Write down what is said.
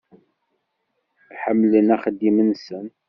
Ḥemmlen axeddim-nsen.